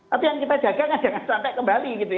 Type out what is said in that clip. tapi yang kita jaga kan jangan sampai kembali gitu ya